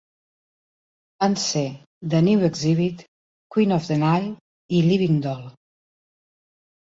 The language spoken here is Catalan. Van ser "The New Exhibit", "Queen of the Nile" i "Living Doll".